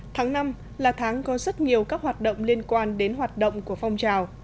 tháng năm là tháng có rất nhiều các hoạt động liên quan đến hoạt động của phong trào